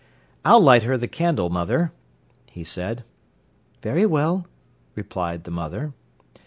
"I'll light her the candle, mother," he said. "Very well," replied the mother.